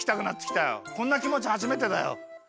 こんなきもちはじめてだよ。